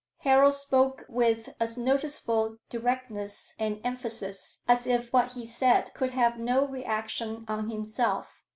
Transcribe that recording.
Harold spoke with as noticeable directness and emphasis, as if what he said could have no reaction on himself.